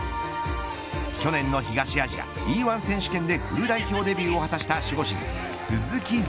去年の東アジアＥ‐１選手権でフル代表デビューを果たした守護神鈴木彩